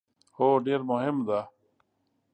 هو، ډیر مهم ده